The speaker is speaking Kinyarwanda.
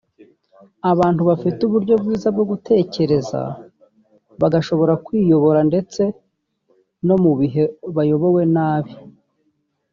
“Abantu bafite uburyo bwiza bwo gutekereza bashobora kwiyobora ndetse no mu bihe bayobowe nabi”